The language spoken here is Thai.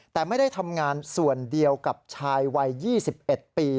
แต่ไม่ได้ทำงานส่วนเดียวกับชายวัย๒๑ปี